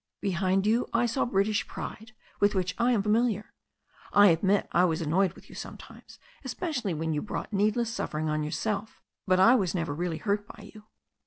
Behind you I saw British pride, with which I am familiar. I admit I was annoyed with you sometimes, especially when you brought needless suffering on yourself, but I was never really hurt by you."